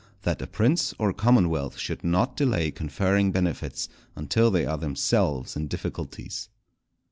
—_That a Prince or Commonwealth should not delay conferring Benefits until they are themselves in difficulties.